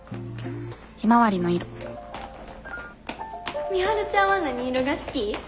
ひまわりの色美晴ちゃんは何色が好き？